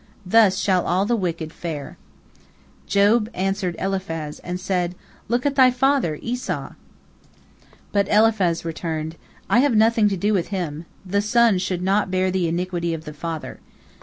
Thus shall all the wicked fare." Job answered Eliphaz, and said, "Look at thy father Esau!" But Eliphaz returned: "I have nothing to do with him, the son should not bear the iniquity of the father.